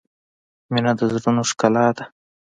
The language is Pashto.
• مینه د زړونو ښکلا ده.